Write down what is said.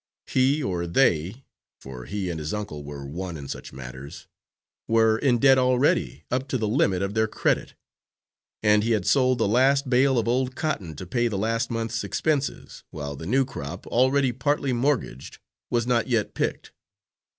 He, or they, for he and his uncle were one in such matters, were in debt already, up to the limit of their credit, and he had sold the last bale of old cotton to pay the last month's expenses, while the new crop, already partly mortgaged, was not yet picked.